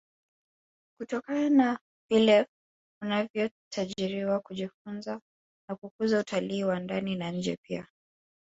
kutokana na vile unavyotarajia kujifunza na kukuza utalii wa ndani na nje pia